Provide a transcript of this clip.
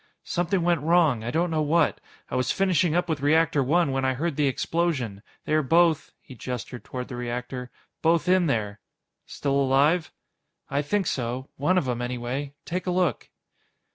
"Something went wrong. I don't know what. I was finishing up with Reactor One when I heard the explosion. They are both" he gestured toward the reactor "both in there." "Still alive?" "I think so. One of 'em, anyway. Take a look."